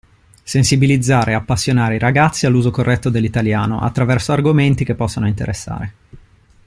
Sensibilizzare e appassionare i ragazzi all'uso corretto dell'italiano, attraverso argomenti che possano interessare.